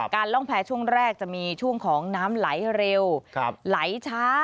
ร่องแพรช่วงแรกจะมีช่วงของน้ำไหลเร็วไหลช้า